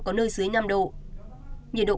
có nơi dưới năm độ nhiệt độ